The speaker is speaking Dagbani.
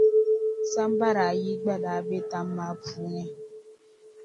Sambara ayi gba daa be tam maa puuni.